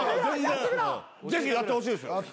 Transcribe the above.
ぜひやってほしいです。